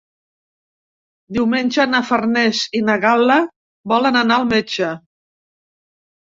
Diumenge na Farners i na Gal·la volen anar al metge.